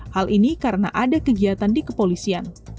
hal ini karena ada kegiatan di kepolisian